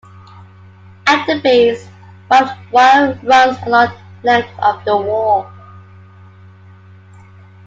At the base, barbed wire runs along the length of the wall.